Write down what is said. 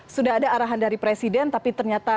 sudah ada arahan dari presiden tapi ternyata keputusan itu